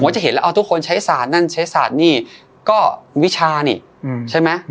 จะเห็นแล้วเอาทุกคนใช้ศาสตร์นั่นใช้ศาสตร์นี่ก็วิชานี่ใช่ไหม